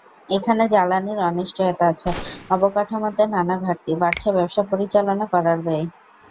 এখানে জ্বালানির অনিশ্চয়তা আছে, অবকাঠামোতে নানা ঘাটতি, বাড়ছে ব্যবসা পরিচালনা করার ব্যয়।